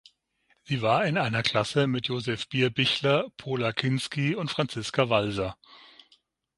Sie war in einer Klasse mit Josef Bierbichler, Pola Kinski und Franziska Walser.